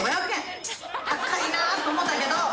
高いなと思ったけど。